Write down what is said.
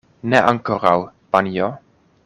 Ne ankoraŭ, panjo.